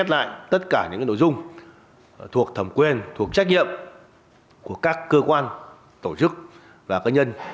xét lại tất cả những nội dung thuộc thẩm quyền thuộc trách nhiệm của các cơ quan tổ chức và cơ nhân